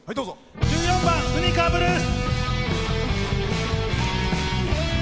１４番「スニーカーぶるす」。